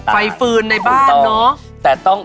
ไฟฟืนในบ้านเนอะถูกต้อง